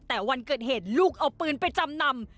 แต่วันเกิดเหตุลูกเอาปืนไปจำนำ